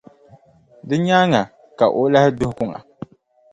Di nyaaŋa ka o lahi duhi kuŋa.